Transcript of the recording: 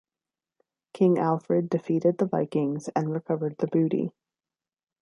King Alfred defeated the Vikings and recovered the booty.